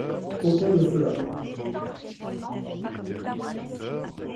Aucun de ceux-là.